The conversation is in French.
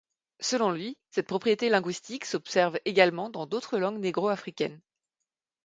Selon lui, cette propriété linguistique s’observe également dans d’autres langues négro-africaines.